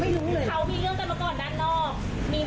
แล้ววันที่สองเขาก็มาอีกเอามีดมาไล่ฟันเอามาไล่ตี